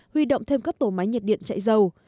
huy động thêm các tổ máy nhiệt điện chạy dầu